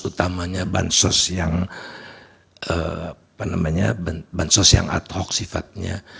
utamanya bansos yang adhok sifatnya